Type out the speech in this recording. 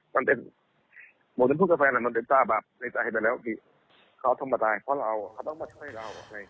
มันเป็นพวกแฟนแบบในใจแบบนี้เขาทำมาตายเพราะเราเขาต้องมาช่วยเรา